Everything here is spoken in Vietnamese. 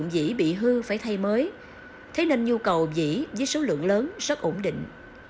nên nhu cầu dĩ với số lượng lớn rất ổn định